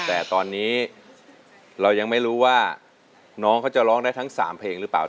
แต่ตอนนี้เรายังไม่รู้ว่าน้องเขาจะร้องได้ทั้ง๓เพลงหรือเปล่า